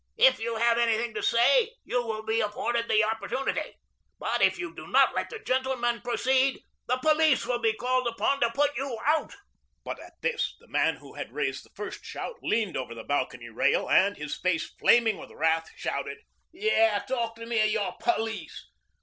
If you have anything to say; you will be afforded the opportunity, but if you do not let the gentleman proceed, the police will be called upon to put you out." But at this, the man who had raised the first shout leaned over the balcony rail, and, his face flaming with wrath, shouted: "YAH! talk to me of your police.